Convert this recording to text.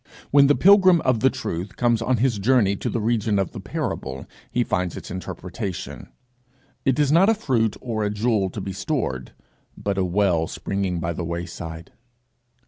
When the pilgrim of the truth comes on his journey to the region of the parable, he finds its interpretation. It is not a fruit or a jewel to be stored, but a well springing by the wayside.